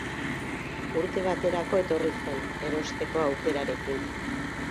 Urte baterako etorri zen, erosteko aukerarekin.